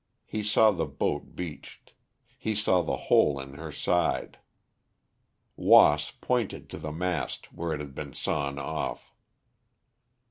He saw the boat beached; he saw the hole in her side. Wass pointed to the mast where it had been sawn off.